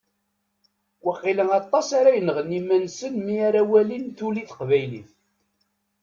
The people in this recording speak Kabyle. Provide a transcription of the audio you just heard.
Waqila aṭas ara yenɣen iman-nsen mi ara walin tuli teqbaylit.